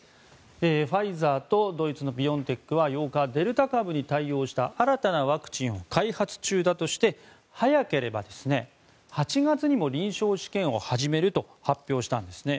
ファイザーとドイツのビオンテックは８日デルタ株に対応した新たなワクチンを開発中だとして早ければ８月にも臨床試験を始めると発表したんですね。